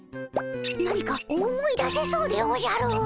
何か思い出せそうでおじゃる。